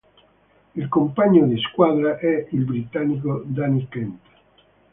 Il compagno di squadra è il britannico Danny Kent.